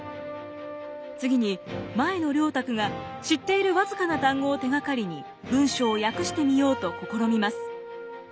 次に前野良沢が知っている僅かな単語を手がかりに文章を訳してみようと試みます。